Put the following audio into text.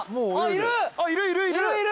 いるいるいる！